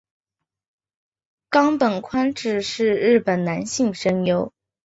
冈本宽志是日本男性声优。